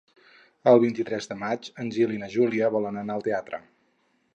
El vint-i-tres de maig en Gil i na Júlia volen anar al teatre.